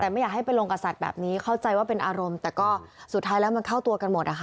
แต่ไม่อยากให้ไปลงกับสัตว์แบบนี้เข้าใจว่าเป็นอารมณ์แต่ก็สุดท้ายแล้วมันเข้าตัวกันหมดอะค่ะ